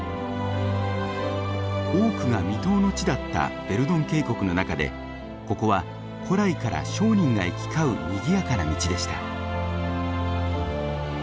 多くが未踏の地だったヴェルドン渓谷の中でここは古来から商人が行き交うにぎやかな道でした。